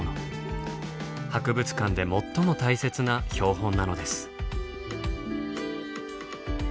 博物館で最も大切な標本なのです。